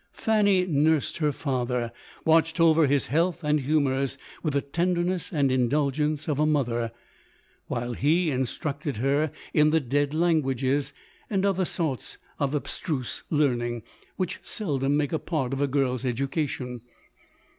Fanny nursed her father, watched over his health and humours, with the tenderness and indulgence of a mother; while he instructed her in the dead languages, and other sorts of abstruse learning, which seldom make a part of a girFs education.